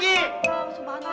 oh semangat ya tuhan